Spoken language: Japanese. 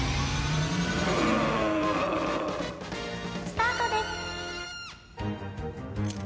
スタートです！